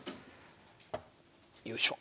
よいしょ。